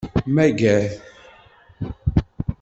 Mager.